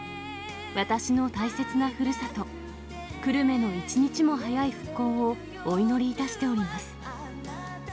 私の大切なふるさと、久留米の一日も早い復興をお祈りいたしております。